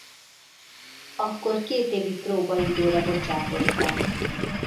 Akkor kétévi próbaidőre bocsátották.